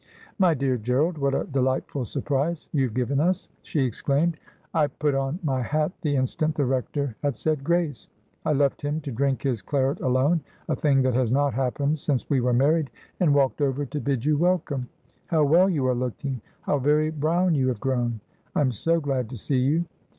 ' My dear Gerald, what a delightful surprise you have given us !' she exclaimed. ' I put on my hat the instant the Rector had said grace. I left him to drink his claret alone — a thing that has not happened since we were married — and walked over to bid you welcome. How well you are looking ! How very brown you have grown : I am so glad to see you.'